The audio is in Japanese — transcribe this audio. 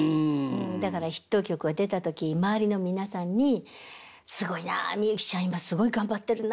だからヒット曲が出た時周りの皆さんに「すごいな！美幸ちゃん今すごい頑張ってるな！